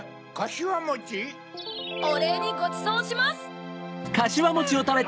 おれいにごちそうします！